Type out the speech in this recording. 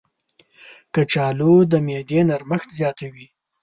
کچالو د معدې نرمښت زیاتوي.